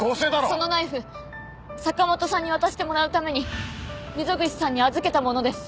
そのナイフ坂元さんに渡してもらうために溝口さんに預けたものです。